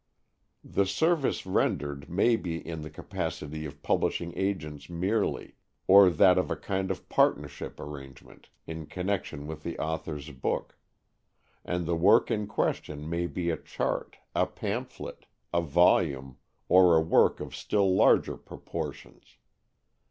The service rendered may be in the capacity of publishing agents merely, or that of a kind of partnership arrangement in connection with the author's book; and the work in question may be a chart, a pamphlet, a volume, or a work of still larger proportions.